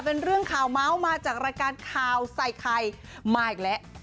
เป็นเรื่องข่าวเมาส์มาจากรายการข่าวใส่ไข่มาอีกแล้ว